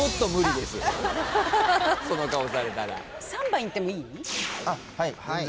３番いってもいい？